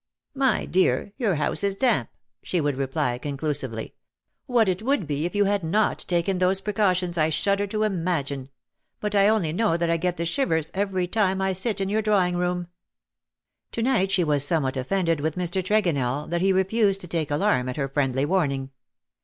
" My dear, your house is damp/^ she would reply conclusively. " What it would be if you had not taken those precautions I shudder to imagine — but I only know that I get the shivers every time I sit in your drawing room/'' To night she was somewhat offended with Mr. Tregonell that he refused to take alarm at her friendly warning.